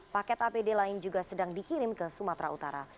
paket apd lain juga sedang dikirim ke sumatera utara